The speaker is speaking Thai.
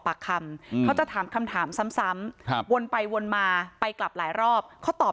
ปากคำเขาจะถามคำถามซ้ำครับวนไปวนมาไปกลับหลายรอบเขาตอบ